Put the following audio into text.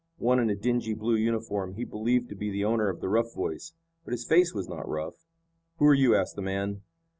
One in a dingy blue uniform he believed to be the owner of the rough voice. But his face was not rough. "Who are you?" asked the man.